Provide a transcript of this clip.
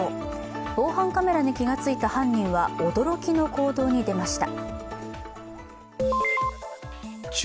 防犯カメラに気がついた犯人は驚きの行動に出ました。